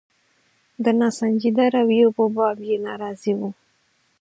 د ناسنجیده رویو په باب یې ناراضي وو.